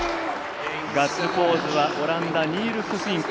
ガッツポーズは、オランダのニールス・フィンク。